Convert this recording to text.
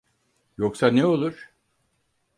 Yoksa ne olur?